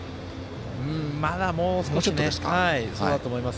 まだもう少しだと思います。